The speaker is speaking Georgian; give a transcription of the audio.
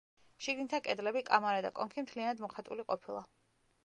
შიგნითა კედლები, კამარა და კონქი მთლიანად მოხატული ყოფილა.